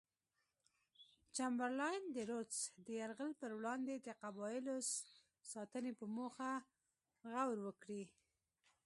چمبرلاین د رودز د یرغل پر وړاندې د قبایلو ساتنې په موخه غور وکړي.